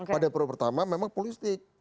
pada periode pertama memang populistik